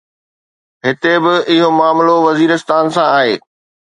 هتي به اهو معاملو وزيرستان سان آهي.